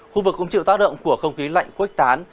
khu vực cũng chịu tác động của không khí lạnh khuếch tán